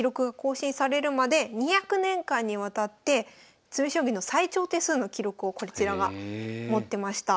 ２００年間にわたって詰将棋の最長手数の記録をこちらが持ってました。